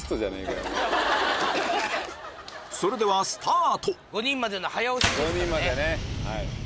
それではスタート５人までの早押しです。